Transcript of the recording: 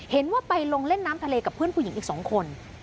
เห็นว่าไปลงเล่นน้ำทะเลกับเพื่อนผู้หญิงอีก๒คน